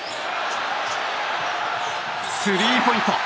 スリーポイント！